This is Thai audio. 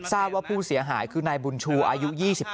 ทราบว่าผู้เสียหายคือนายบุญชูอายุ๒๗